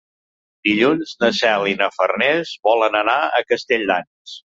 Dilluns na Cel i na Farners volen anar a Castelldans.